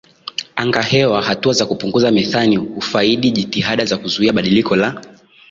anga hewa Hatua za kupunguza metheni hufaidi jitihada za kuzuia badiliko la